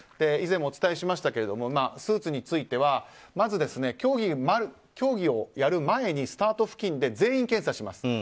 以前もお伝えしましたがスーツについてはまず競技をやる前にスタート付近で全員検査します。